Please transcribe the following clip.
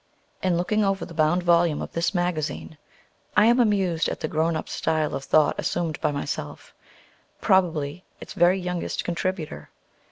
In looking over the bound volume of this magazine, I am amused at the grown up style of thought assumed by myself, probably its very youngest contributor.